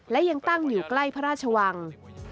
และยังตั้งอยู่ใกล้พระราชวัง